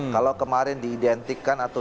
kalau kemarin diidentikan atau